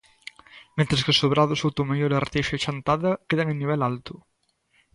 Mentres que Sobrado, Soutomaior Arteixo e Chantada quedan en nivel alto.